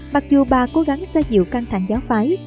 mặc dù bà cố gắng xoa dịu căng thẳng giáo phái